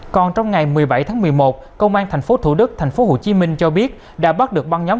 còn trong ngày một mươi bảy tháng một mươi một công an thành phố thủ đức thành phố hồ chí minh cho biết đã bắt được băng nhóm